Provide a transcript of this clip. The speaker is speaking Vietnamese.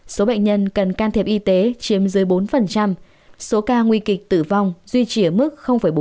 số bệnh nhân cần can thiệp y tế chiếm dưới bốn số ca nguy kịch tử vong duy trì ở mức bốn